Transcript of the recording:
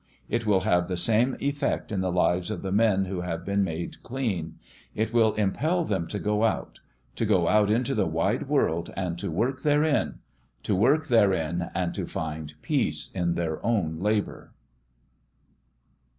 It will have the same effect in the lives of the men who have been made clean. It will impel them to go out to go out into the wide world and to work therein to work therein and to find peace in their own labour.